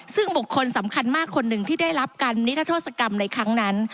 ซึ่งบุคคลสำคัญมากคนหนึ่งที่ได้รับการนิทัศกรรมในครั้งนั้น